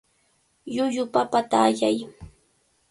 Llullu papata allay.